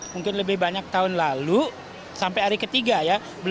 mungkin lebih banyak tahun lalu sampai hari ketiga ya